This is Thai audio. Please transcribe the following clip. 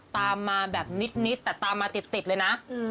ตามมาแบบนิดแต่ตามมาติดเลยนะ